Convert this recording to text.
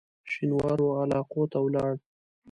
شینوارو علاقو ته ولاړ.